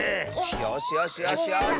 よしよしよしよし！